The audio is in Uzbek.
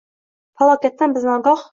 Falokatdan bizni ogoh